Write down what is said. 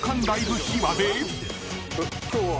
今日は。